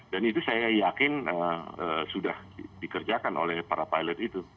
dan itu saya yakin sudah dikerjakan oleh para pilot itu